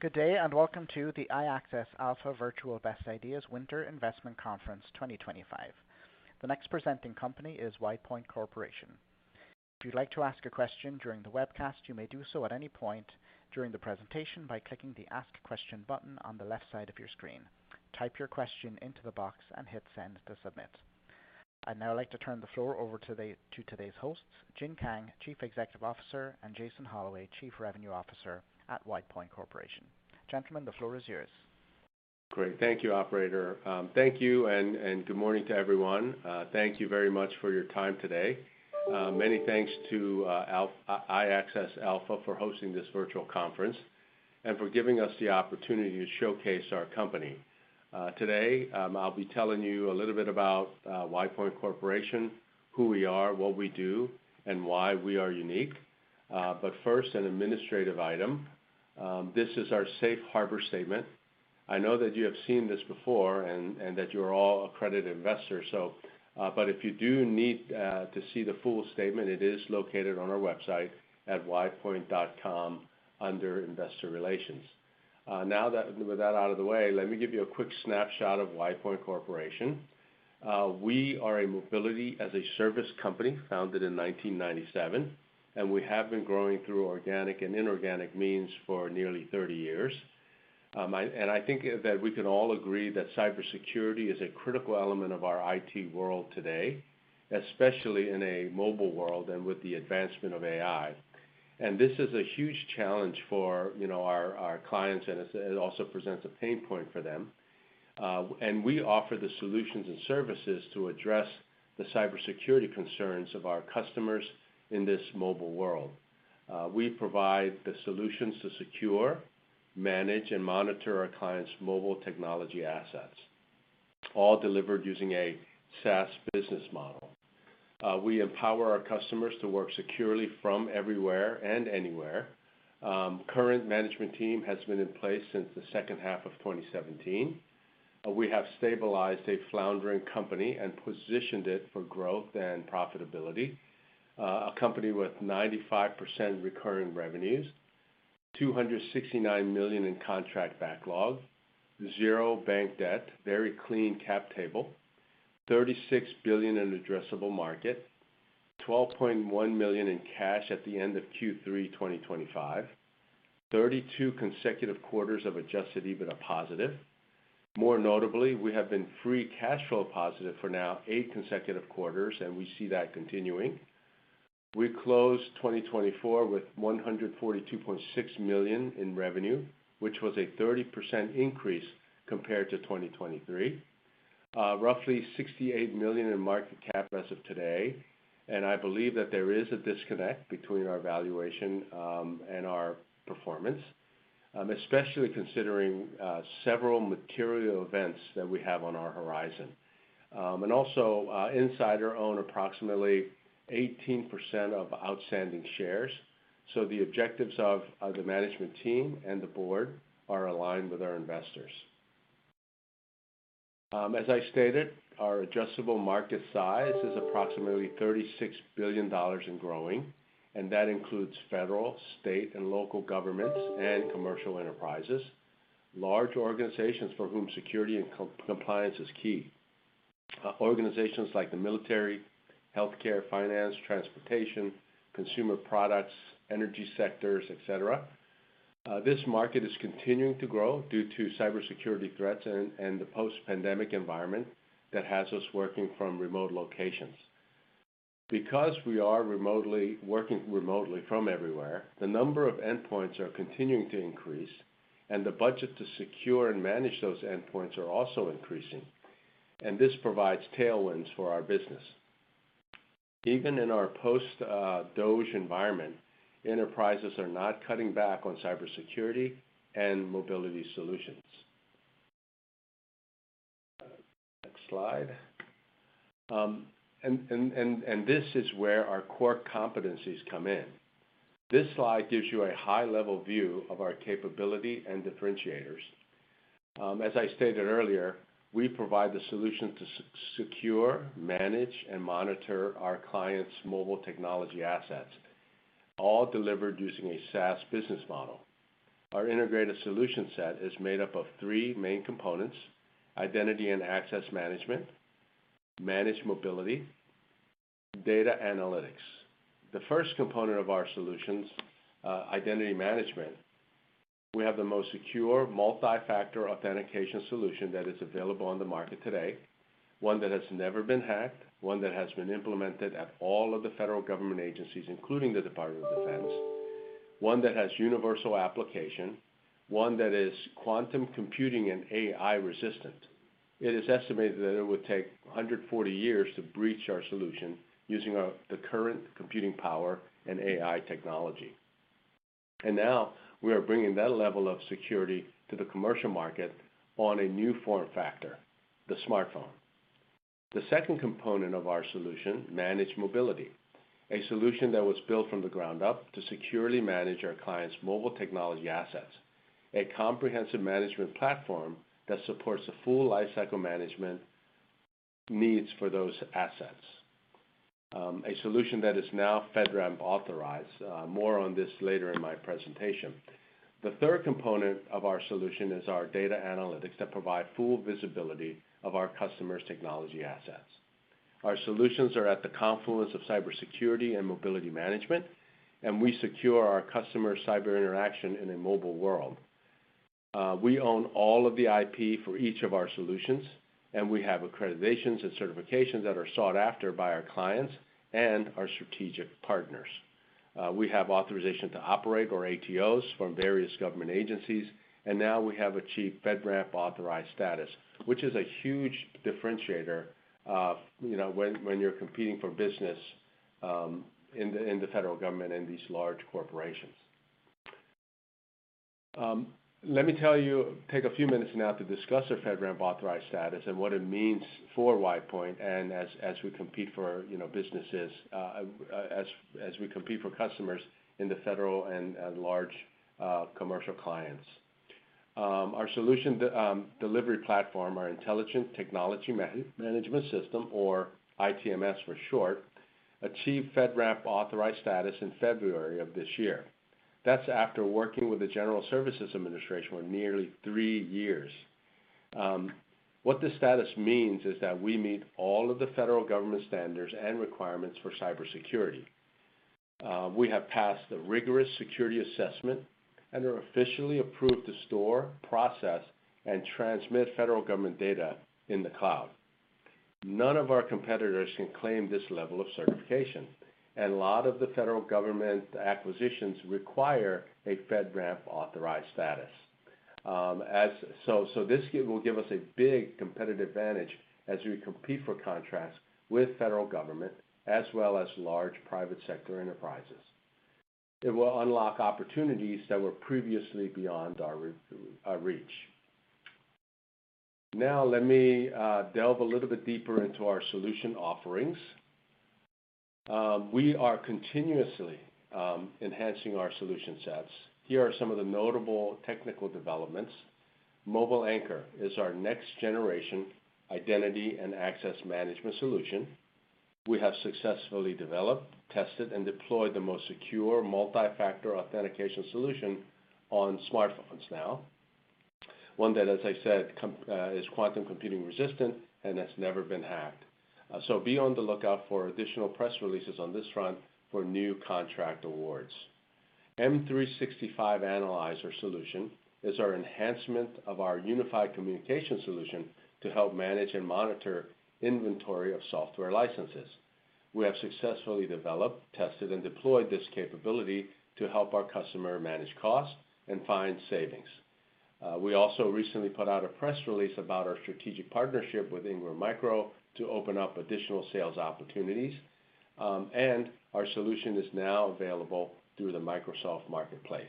Good day and welcome to the iAccess Alpha virtual best ideas winter investment conference 2025. The next presenting company is WidePoint Corporation. If you'd like to ask a question during the webcast, you may do so at any point during the presentation by clicking the ask question button on the left side of your screen. Type your question into the box and hit send to submit. I'd now like to turn the floor over to today's hosts, Jin Kang, Chief Executive Officer, and Jason Holloway, Chief Revenue Officer at WidePoint Corporation. Gentlemen, the floor is yours. Great. Thank you, Operator. Thank you and good morning to everyone. Thank you very much for your time today. Many thanks to iAccess Alpha for hosting this virtual conference and for giving us the opportunity to showcase our company. Today, I'll be telling you a little bit about WidePoint Corporation, who we are, what we do, and why we are unique. But first, an administrative item. This is our Safe Harbor Statement. I know that you have seen this before and that you're all accredited investors, but if you do need to see the full statement, it is located on our website at widepoint.com under Investor Relations. Now that that's out of the way, let me give you a quick snapshot of WidePoint Corporation. We are a mobility-as-a-service company founded in 1997, and we have been growing through organic and inorganic means for nearly 30 years. And I think that we can all agree that cybersecurity is a critical element of our IT world today, especially in a mobile world and with the advancement of AI. And this is a huge challenge for our clients, and it also presents a pain point for them. And we offer the solutions and services to address the cybersecurity concerns of our customers in this mobile world. We provide the solutions to secure, manage, and monitor our clients' mobile technology assets, all delivered using a SaaS business model. We empower our customers to work securely from everywhere and anywhere. Current management team has been in place since the second half of 2017. We have stabilized a floundering company and positioned it for growth and profitability. A company with 95% recurring revenues, $269 million in contract backlog, zero bank debt, very clean cap table, $36 billion in addressable market, $12.1 million in cash at the end of Q3 2025, 32 consecutive quarters of Adjusted EBITDA positive. More notably, we have been free cash flow positive for now eight consecutive quarters, and we see that continuing. We closed 2024 with $142.6 million in revenue, which was a 30% increase compared to 2023, roughly $68 million in market cap as of today, and I believe that there is a disconnect between our valuation and our performance, especially considering several material events that we have on our horizon, and also, insiders own approximately 18% of outstanding shares, so the objectives of the management team and the board are aligned with our investors. As I stated, our adjustable market size is approximately $36 billion and growing, and that includes federal, state, and local governments and commercial enterprises, large organizations for whom security and compliance is key. Organizations like the military, healthcare, finance, transportation, consumer products, energy sectors, etc. This market is continuing to grow due to cybersecurity threats and the post-pandemic environment that has us working from remote locations. Because we are remotely working from everywhere, the number of endpoints are continuing to increase, and the budget to secure and manage those endpoints are also increasing. And this provides tailwinds for our business. Even in our post-DOGE environment, enterprises are not cutting back on cybersecurity and mobility solutions. Next slide. And this is where our core competencies come in. This slide gives you a high-level view of our capability and differentiators. As I stated earlier, we provide the solutions to secure, manage, and monitor our clients' mobile technology assets, all delivered using a SaaS business model. Our integrated solution set is made up of three main components: identity and access management, managed mobility, data analytics. The first component of our solutions, identity management, we have the most secure multi-factor authentication solution that is available on the market today, one that has never been hacked, one that has been implemented at all of the federal government agencies, including the Department of Defense, one that has universal application, one that is quantum computing and AI resistant. It is estimated that it would take 140 years to breach our solution using the current computing power and AI technology, and now we are bringing that level of security to the commercial market on a new form factor, the smartphone. The second component of our solution, managed mobility, a solution that was built from the ground up to securely manage our clients' mobile technology assets, a comprehensive management platform that supports the full lifecycle management needs for those assets, a solution that is now FedRAMP authorized. More on this later in my presentation. The third component of our solution is our data analytics that provide full visibility of our customers' technology assets. Our solutions are at the confluence of cybersecurity and mobility management, and we secure our customers' cyber interaction in a mobile world. We own all of the IP for each of our solutions, and we have accreditations and certifications that are sought after by our clients and our strategic partners. We have authorization to operate or ATOs from various government agencies, and now we have achieved FedRAMP authorized status, which is a huge differentiator when you're competing for business in the federal government and these large corporations. Let me take a few minutes now to discuss our FedRAMP authorized status and what it means for WidePoint and as we compete for businesses, as we compete for customers in the federal and large commercial clients. Our solution delivery platform, our Intelligent Technology Management System, or ITMS for short, achieved FedRAMP authorized status in February of this year. That's after working with the General Services Administration for nearly three years. What this status means is that we meet all of the federal government standards and requirements for cybersecurity. We have passed a rigorous security assessment and are officially approved to store, process, and transmit federal government data in the cloud. None of our competitors can claim this level of certification, and a lot of the federal government acquisitions require a FedRAMP authorized status. So this will give us a big competitive advantage as we compete for contracts with federal government as well as large private sector enterprises. It will unlock opportunities that were previously beyond our reach. Now, let me delve a little bit deeper into our solution offerings. We are continuously enhancing our solution sets. Here are some of the notable technical developments. Mobile Anchor is our next-generation identity and access management solution. We have successfully developed, tested, and deployed the most secure multi-factor authentication solution on smartphones now, one that, as I said, is quantum computing resistant and has never been hacked. So be on the lookout for additional press releases on this front for new contract awards. M365 Analyzer solution is our enhancement of our unified communication solution to help manage and monitor inventory of software licenses. We have successfully developed, tested, and deployed this capability to help our customer manage costs and find savings. We also recently put out a press release about our strategic partnership with Ingram Micro to open up additional sales opportunities, and our solution is now available through the Microsoft Marketplace.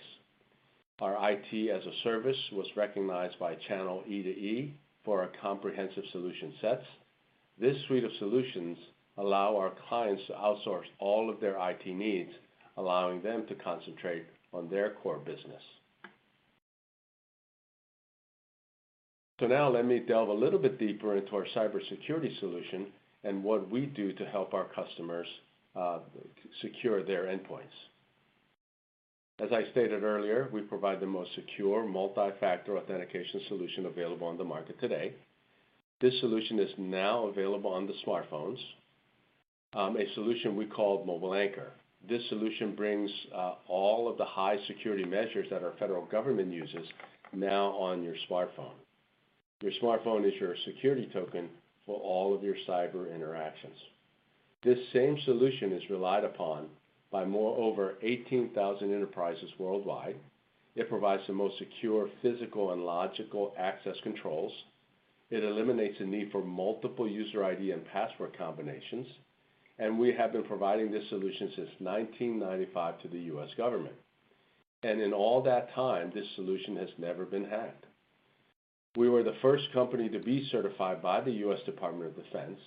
Our IT as a service was recognized by Channel E2E for our comprehensive solution sets. This suite of solutions allows our clients to outsource all of their IT needs, allowing them to concentrate on their core business. So now let me delve a little bit deeper into our cybersecurity solution and what we do to help our customers secure their endpoints. As I stated earlier, we provide the most secure multi-factor authentication solution available on the market today. This solution is now available on the smartphones, a solution we call Mobile Anchor. This solution brings all of the high-security measures that our federal government uses now on your smartphone. Your smartphone is your security token for all of your cyber interactions. This same solution is relied upon by more than 18,000 enterprises worldwide. It provides the most secure physical and logical access controls. It eliminates the need for multiple user ID and password combinations, and we have been providing this solution since 1995 to the U.S. government, and in all that time, this solution has never been hacked. We were the first company to be certified by the U.S. Department of Defense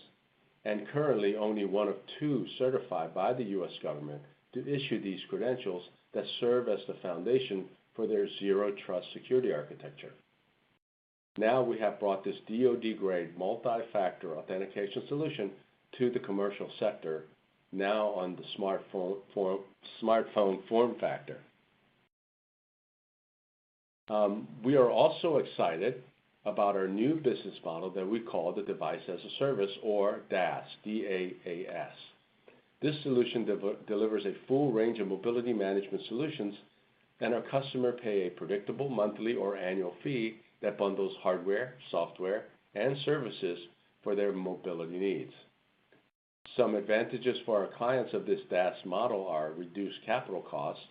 and currently only one of two certified by the U.S. government to issue these credentials that serve as the foundation for their zero-trust security architecture. Now we have brought this DoD-grade multi-factor authentication solution to the commercial sector now on the smartphone form factor. We are also excited about our new business model that we call the Device as a Service, or DaaS, D-A-A-S. This solution delivers a full range of mobility management solutions, and our customers pay a predictable monthly or annual fee that bundles hardware, software, and services for their mobility needs. Some advantages for our clients of this DaaS model are reduced capital costs,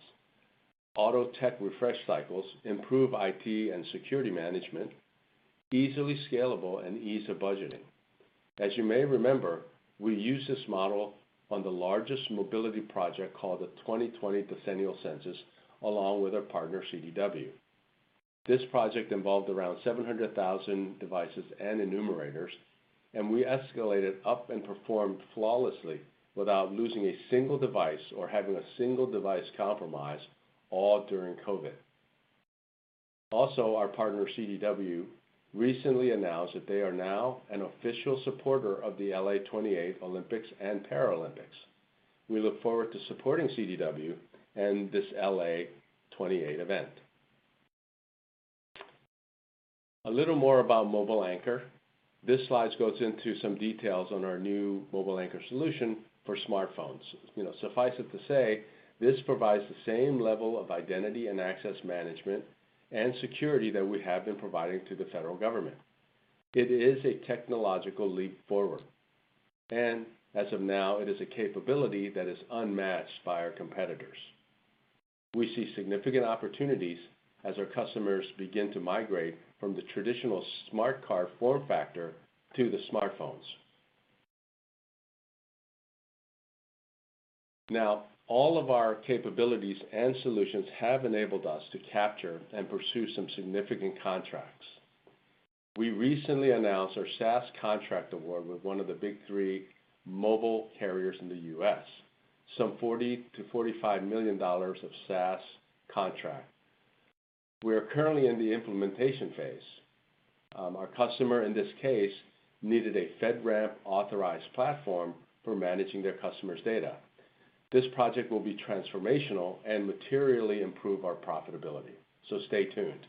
auto tech refresh cycles, improved IT and security management, easily scalable, and ease of budgeting. As you may remember, we used this model on the largest mobility project called the 2020 Decennial Census along with our partner, CDW. This project involved around 700,000 devices and enumerators, and we escalated up and performed flawlessly without losing a single device or having a single device compromised, all during COVID. Also, our partner, CDW, recently announced that they are now an official supporter of the LA '28 Olympics and Paralympics. We look forward to supporting CDW and this LA '28 event. A little more about Mobile Anchor. This slide goes into some details on our new Mobile Anchor solution for smartphones. Suffice it to say, this provides the same level of identity and access management and security that we have been providing to the federal government. It is a technological leap forward, and as of now, it is a capability that is unmatched by our competitors. We see significant opportunities as our customers begin to migrate from the traditional smart card form factor to the smartphones. Now, all of our capabilities and solutions have enabled us to capture and pursue some significant contracts. We recently announced our SaaS contract award with one of the big three mobile carriers in the U.S., some $40-$45 million of SaaS contracts. We are currently in the implementation phase. Our customer, in this case, needed a FedRAMP authorized platform for managing their customer's data. This project will be transformational and materially improve our profitability. So stay tuned.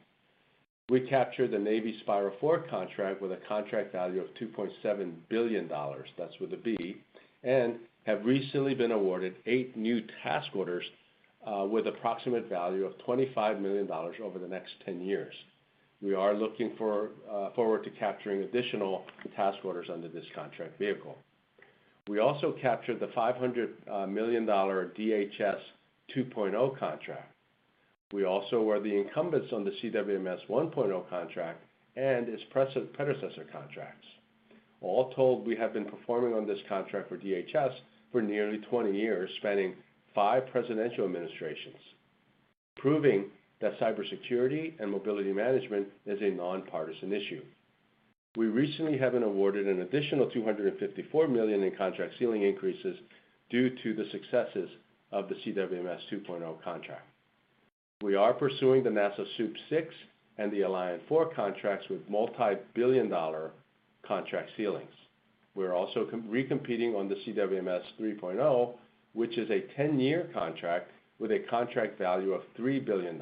We captured the Navy Spiral 4 contract with a contract value of $2.7 billion, that's with a B, and have recently been awarded eight new task orders with an approximate value of $25 million over the next 10 years. We are looking forward to capturing additional task orders under this contract vehicle. We also captured the $500 million DHS 2.0 contract. We also were the incumbents on the CWMS 1.0 contract and its predecessor contracts. All told, we have been performing on this contract for DHS for nearly 20 years, spanning five presidential administrations, proving that cybersecurity and mobility management is a nonpartisan issue. We recently have been awarded an additional $254 million in contract ceiling increases due to the successes of the CWMS 2.0 contract. We are pursuing the NASA SEWP VI and the Alliant 4 contracts with multi-billion dollar contract ceilings. We're also re-competing on the CWMS 3.0, which is a 10-year contract with a contract value of $3 billion.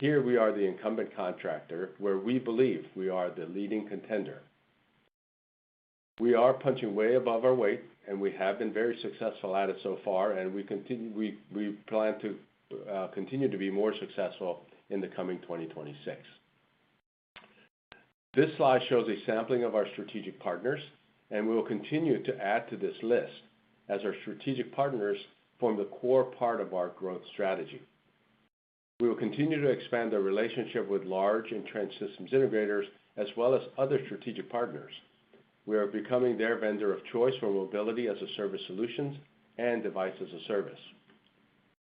Here, we are the incumbent contractor where we believe we are the leading contender. We are punching way above our weight, and we have been very successful at it so far, and we plan to continue to be more successful in the coming 2026. This slide shows a sampling of our strategic partners, and we will continue to add to this list as our strategic partners form the core part of our growth strategy. We will continue to expand our relationship with large and trend systems integrators as well as other strategic partners. We are becoming their vendor of choice for mobility as a service solutions and Device as a Service.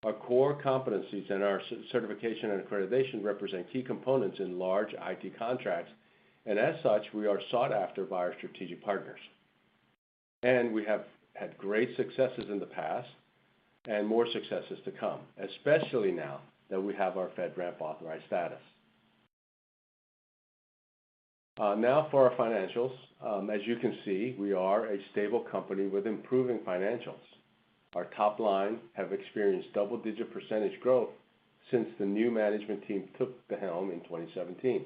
Our core competencies and our certification and accreditation represent key components in large IT contracts, and as such, we are sought after by our strategic partners, and we have had great successes in the past and more successes to come, especially now that we have our FedRAMP authorized status. Now for our financials. As you can see, we are a stable company with improving financials. Our top line has experienced double-digit percentage growth since the new management team took the helm in 2017,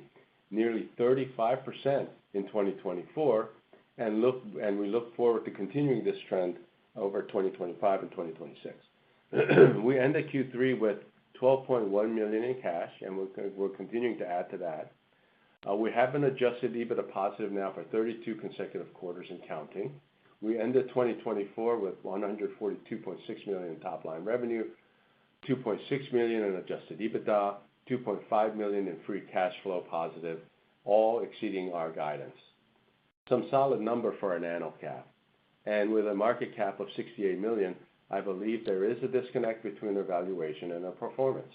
nearly 35% in 2024, and we look forward to continuing this trend over 2025 and 2026. We ended Q3 with $12.1 million in cash, and we're continuing to add to that. We have been Adjusted EBITDA positive now for 32 consecutive quarters and counting. We ended 2024 with $142.6 million in top line revenue, $2.6 million in Adjusted EBITDA, $2.5 million in free cash flow positive, all exceeding our guidance. Some solid numbers for an annual cap, and with a market cap of $68 million, I believe there is a disconnect between our valuation and our performance.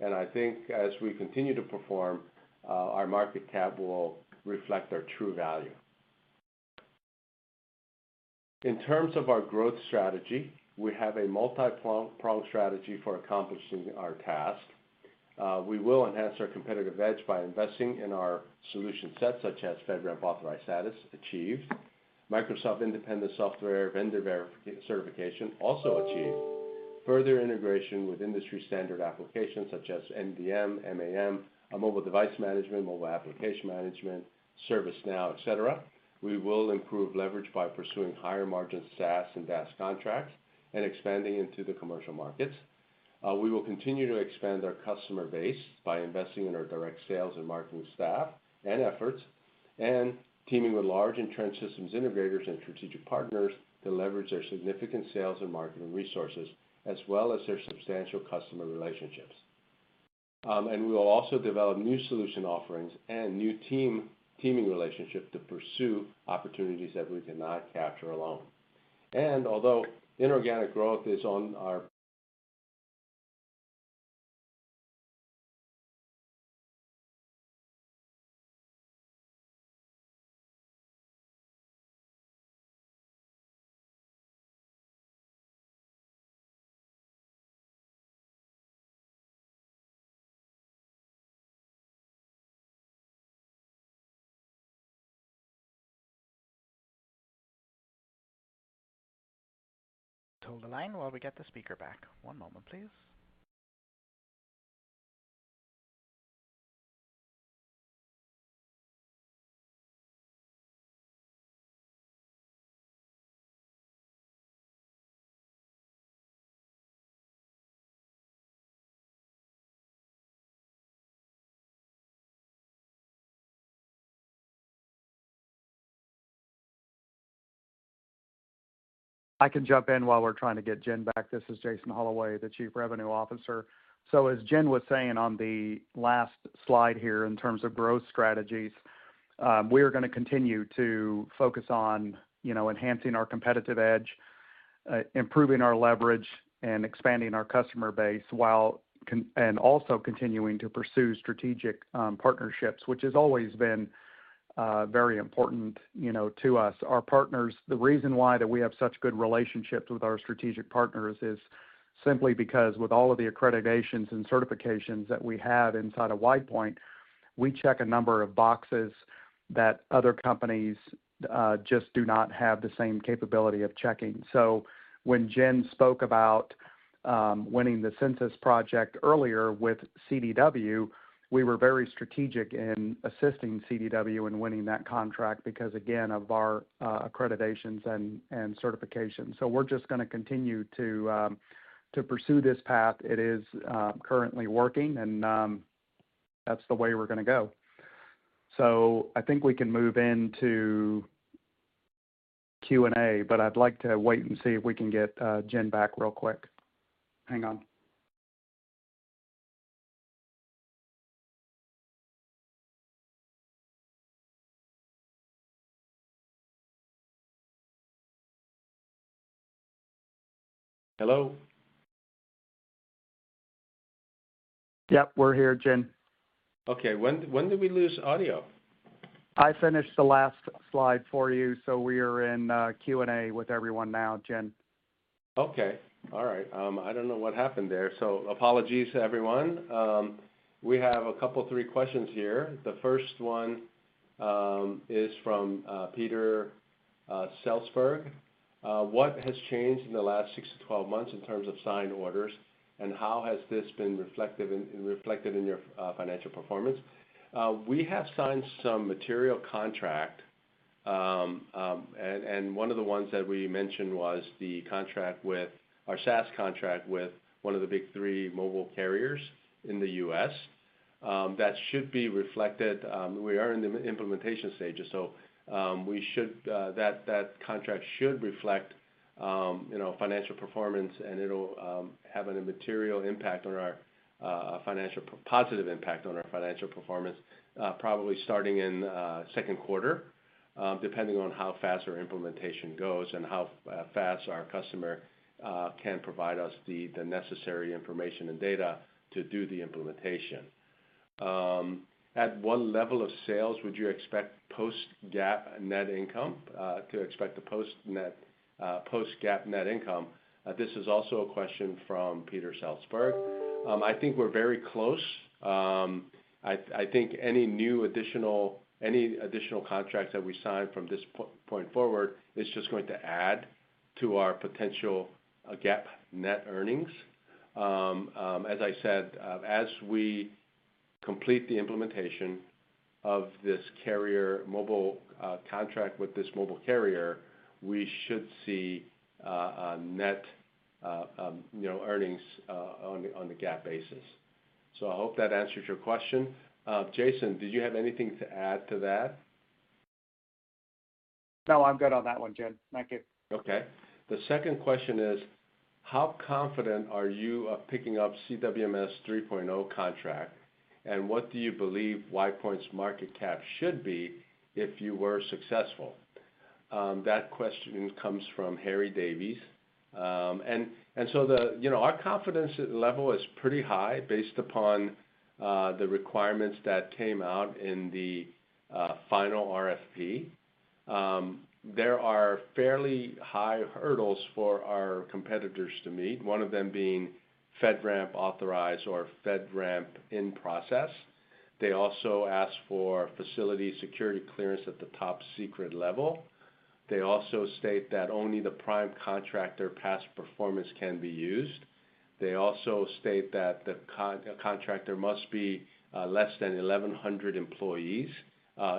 And I think as we continue to perform, our market cap will reflect our true value. In terms of our growth strategy, we have a multi-pronged strategy for accomplishing our task. We will enhance our competitive edge by investing in our solution sets such as FedRAMP authorized status achieved, Microsoft Independent Software Vendor verification certification also achieved, further integration with industry-standard applications such as MDM, MAM, mobile device management, mobile application management, ServiceNow, etc. We will improve leverage by pursuing higher margin SaaS and DaaS contracts and expanding into the commercial markets. We will continue to expand our customer base by investing in our direct sales and marketing staff and efforts, and teaming with large and trend systems integrators and strategic partners to leverage our significant sales and marketing resources as well as our substantial customer relationships. And we will also develop new solution offerings and new teaming relationships to pursue opportunities that we cannot capture alone. And although inorganic growth is on our hold the line while we get the speaker back. One moment, please. I can jump in while we're trying to get Jin back. This is Jason Holloway, the Chief Revenue Officer. So as Jin was saying on the last slide here in terms of growth strategies, we are going to continue to focus on enhancing our competitive edge, improving our leverage, and expanding our customer base while also continuing to pursue strategic partnerships, which has always been very important to us. The reason why that we have such good relationships with our strategic partners is simply because with all of the accreditations and certifications that we have inside of WidePoint, we check a number of boxes that other companies just do not have the same capability of checking. So when Jin spoke about winning the Census project earlier with CDW, we were very strategic in assisting CDW in winning that contract because, again, of our accreditations and certifications. So we're just going to continue to pursue this path. It is currently working, and that's the way we're going to go. So I think we can move into Q&A, but I'd like to wait and see if we can get Jin back real quick. Hang on. Hello? Yep, we're here, Jin. Okay. When did we lose audio? I finished the last slide for you, so we are in Q&A with everyone now, Jin. Okay. All right. I don't know what happened there, so apologies to everyone. We have a couple of three questions here. The first one is from Peter Selsberg. What has changed in the last 6 to 12 months in terms of signed orders, and how has this been reflected in your financial performance? We have signed some material contracts, and one of the ones that we mentioned was the contract with our SaaS contract with one of the big three mobile carriers in the U.S.. That should be reflected. We are in the implementation stage, so that contract should reflect financial performance, and it'll have a material positive impact on our financial performance, probably starting in second quarter, depending on how fast our implementation goes and how fast our customer can provide us the necessary information and data to do the implementation. At what level of sales would you expect post-GAAP net income? This is also a question from Peter Selsberg. I think we're very close. I think any new additional contracts that we sign from this point forward is just going to add to our potential GAAP net earnings. As I said, as we complete the implementation of this carrier mobile contract with this mobile carrier, we should see net earnings on the GAAP basis, so I hope that answers your question. Jason, did you have anything to add to that? No, I'm good on that one, Jin. Thank you. Okay. The second question is, how confident are you of picking up CWMS 3.0 contract, and what do you believe WidePoint's market cap should be if you were successful? That question comes from Harry Davies, and so our confidence level is pretty high based upon the requirements that came out in the final RFP. There are fairly high hurdles for our competitors to meet, one of them being FedRAMP authorized or FedRAMP in process. They also ask for facility security clearance at the top secret level. They also state that only the prime contractor past performance can be used. They also state that the contractor must be less than 1,100 employees,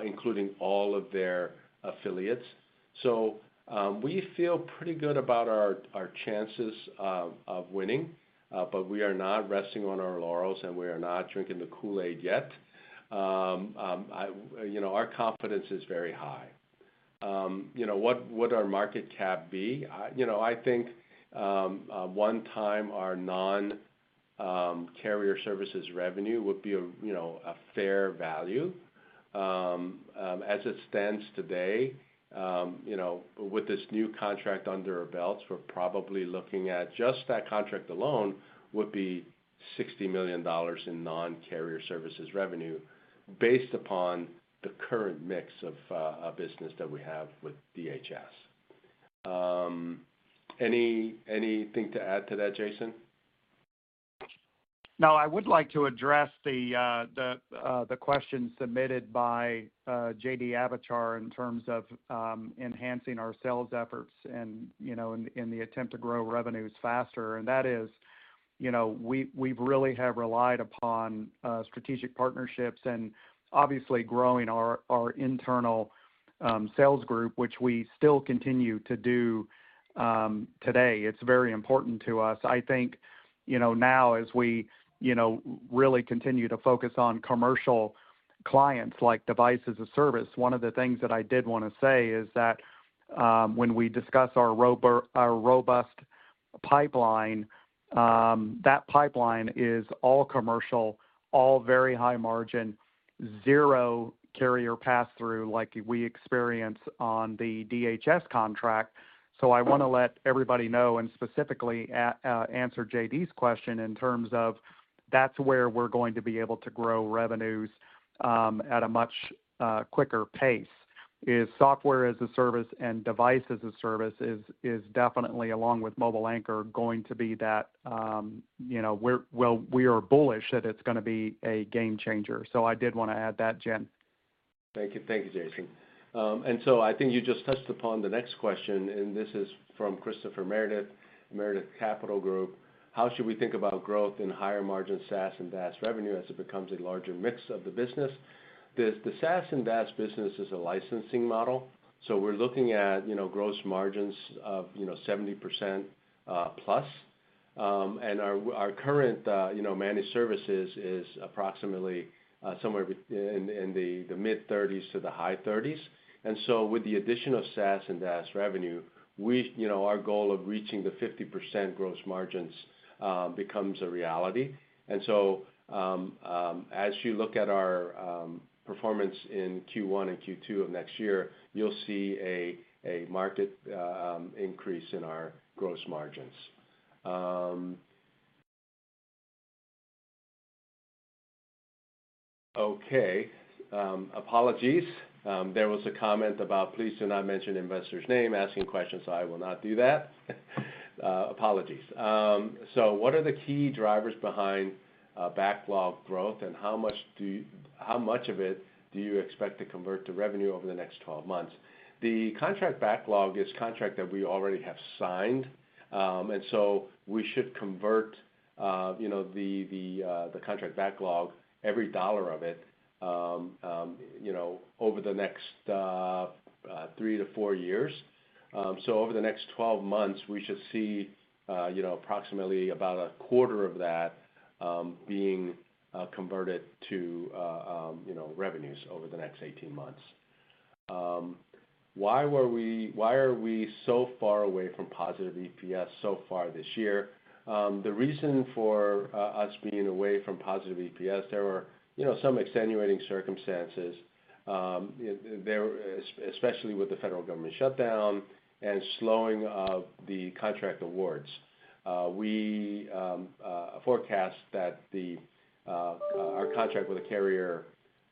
including all of their affiliates. So we feel pretty good about our chances of winning, but we are not resting on our laurels, and we are not drinking the Kool-Aid yet. Our confidence is very high. What would our market cap be? I think one time our non-carrier services revenue would be a fair value. As it stands today, with this new contract under our belts, we're probably looking at just that contract alone would be $60 million in non-carrier services revenue based upon the current mix of business that we have with DHS. Anything to add to that, Jason? No, I would like to address the question submitted by JD Avatar in terms of enhancing our sales efforts and in the attempt to grow revenues faster. That is we've really relied upon strategic partnerships and obviously growing our internal sales group, which we still continue to do today. It's very important to us. I think now as we really continue to focus on commercial clients like Device as a Service, one of the things that I did want to say is that when we discuss our robust pipeline, that pipeline is all commercial, all very high margin, zero carrier pass-through like we experience on the DHS contract. So I want to let everybody know and specifically answer JD's question in terms of that's where we're going to be able to grow revenues at a much quicker pace. Software as a Service and Device as a Service is definitely, along with Mobile Anchor, going to be that we are bullish that it's going to be a game changer. So I did want to add that, Jin. Thank you, Jason. And so I think you just touched upon the next question, and this is from Christopher Meredith, Meredith Capital Group. How should we think about growth in higher margin SaaS and DaaS revenue as it becomes a larger mix of the business? The SaaS and DaaS business is a licensing model, so we're looking at gross margins of 70% plus. And our current managed services is approximately somewhere in the mid-30s to the high 30s. And so with the addition of SaaS and DaaS revenue, our goal of reaching the 50% gross margins becomes a reality. And so as you look at our performance in Q1 and Q2 of next year, you'll see a marked increase in our gross margins. Okay. Apologies. There was a comment about, "Please do not mention investor's name," asking questions, so I will not do that. Apologies. What are the key drivers behind backlog growth, and how much of it do you expect to convert to revenue over the next 12 months? The contract backlog is a contract that we already have signed, and so we should convert the contract backlog, every dollar of it, over the next three to four years. Over the next 12 months, we should see approximately about a quarter of that being converted to revenues over the next 18 months. Why are we so far away from positive EPS so far this year? The reason for us being away from positive EPS, there were some extenuating circumstances, especially with the federal government shutdown and slowing of the contract awards. We forecast that our contract with a carrier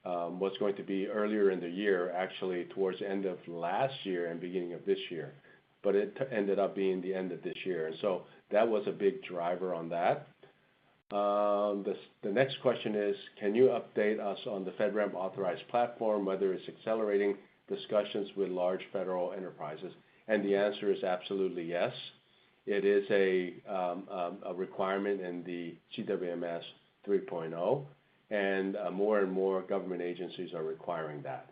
was going to be earlier in the year, actually towards the end of last year and beginning of this year, but it ended up being the end of this year, and so that was a big driver on that. The next question is, "Can you update us on the FedRAMP authorized platform, whether it's accelerating discussions with large federal enterprises?", and the answer is absolutely yes. It is a requirement in the CWMS 3.0, and more and more government agencies are requiring that.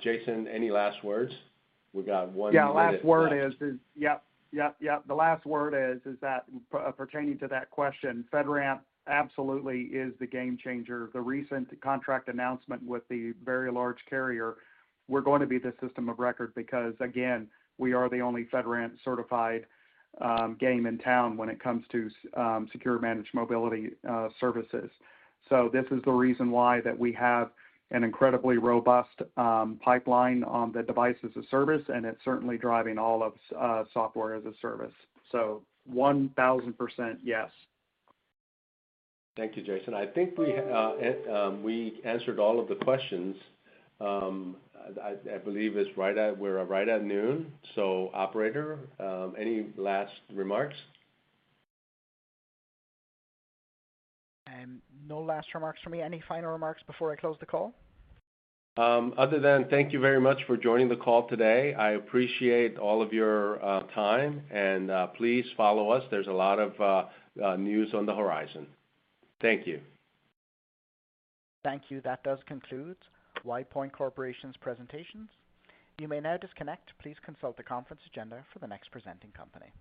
Jason, any last words? We got one minute left. Yeah, last word is yep, yep, yep. The last word is that pertaining to that question, FedRAMP absolutely is the game changer. The recent contract announcement with the very large carrier, we're going to be the system of record because, again, we are the only FedRAMP certified game in town when it comes to secure managed mobility services. So this is the reason why that we have an incredibly robust pipeline on the Device as a Service, and it's certainly driving all of software as a service. So 1,000% yes. Thank you, Jason. I think we answered all of the questions. I believe we're right at noon. So, Operator, any last remarks? No last remarks from me. Any final remarks before I close the call? Other than thank you very much for joining the call today. I appreciate all of your time, and please follow us. There's a lot of news on the horizon. Thank you. Thank you. That does conclude WidePoint Corporation's presentations. You may now disconnect. Please consult the conference agenda for the next presenting company.